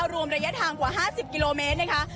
รวมระยะทางกว่า๕๐กิโลเมตรนะคะ